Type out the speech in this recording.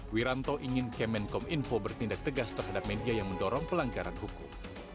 wiranto ingin kemenkom info bertindak tegas terhadap media yang mendorong pelanggaran hukum